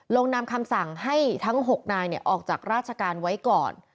ลงนำคำสั่งให้ทั้ง๖นายออกจากราชการไว้ก่อน